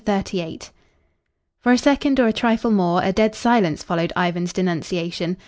CHAPTER XXXVIII For a second or a trifle more a dead silence followed Ivan's denunciation.